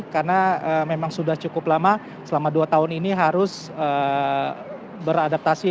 karena memang sudah cukup lama selama dua tahun ini harus beradaptasi